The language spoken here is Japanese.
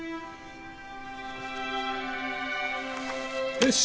よし。